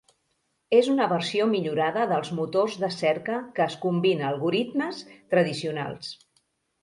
És una versió millorada dels motors de cerca que es combina algoritmes tradicionals.